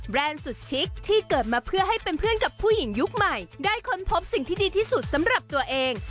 สุดชิคที่เกิดมาเพื่อให้เป็นเพื่อนกับผู้หญิงยุคใหม่ได้ค้นพบสิ่งที่ดีที่สุดสำหรับตัวเอง